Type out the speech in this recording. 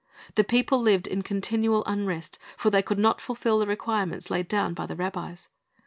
The people lived in continual unrest; for they could not fulfil the requirements laid down by the rabbis.